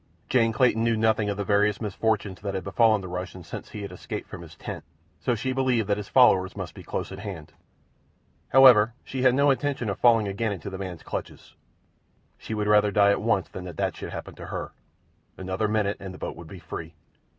Jane Clayton knew nothing of the various misfortunes that had befallen the Russian since she had escaped from his tent, so she believed that his followers must be close at hand. However, she had no intention of falling again into the man's clutches. She would rather die at once than that that should happen to her. Another minute and the boat would be free.